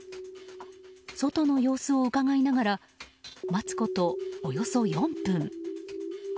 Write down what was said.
外の様子をうかがいながら待つこと、およそ４分。